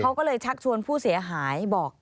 เขาก็เลยชักชวนผู้เสียหายบอก